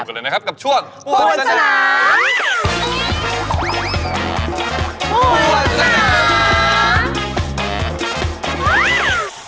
ไปดูกันเลยนะครับกับช่วกปวนสนาม